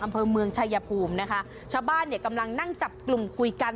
อำเภอเมืองชายภูมินะคะชาวบ้านเนี่ยกำลังนั่งจับกลุ่มคุยกัน